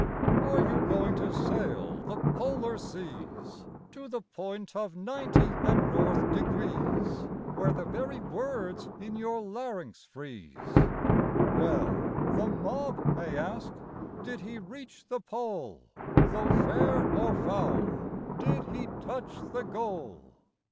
Are you going to sail the polar seas To the point of ninety and north degrees, Where the very words in your larynx freeze? Well, the mob may ask "Did he reach the pole? Though fair, or foul, did he touch the goal?"